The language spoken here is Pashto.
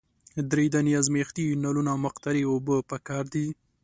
دری دانې ازمیښتي نلونه او مقطرې اوبه پکار دي.